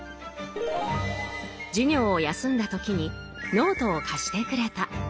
授業を休んだ時にノートを貸してくれた。